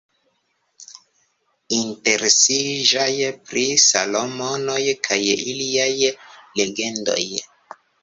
Interesiĝas pri Salomonoj kaj iliaj legendoj.